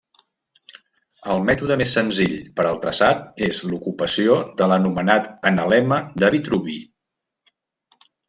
El mètode més senzill per al traçat és l'ocupació de l'anomenat analema de Vitruvi.